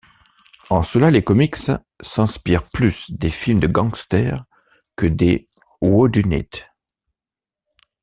En cela les comics s'inspirent plus des films de gangsters que des whodunit.